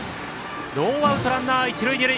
ノーアウト、ランナー、一塁二塁。